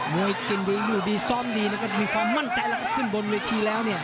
มวยกินดีมีความมั่นใจแล้วก็ขึ้นบนวิธีแล้วเนี่ย